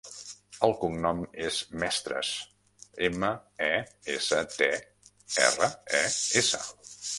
El cognom és Mestres: ema, e, essa, te, erra, e, essa.